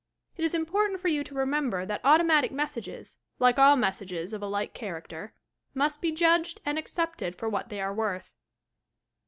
It is important for you to remember that automatic messages, like all messages of a like character, must be judged and accepted for what they are worth.